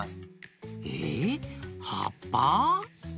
えはっぱ？